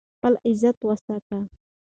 خپل عزت وساتئ.